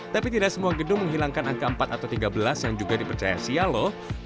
tapi tidak semua gedung menghilangkan angka empat atau tiga belas yang juga dipercaya sia loh